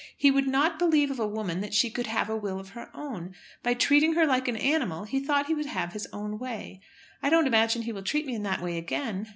He would not believe of a woman that she could have a will of her own. By treating her like an animal he thought he would have his own way. I don't imagine he will treat me in that way again."